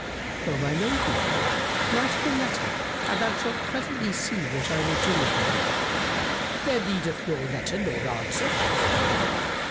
"O my lady, write him a letter and thou shalt presently see what I will do with him." "There needeth nor letter nor answer."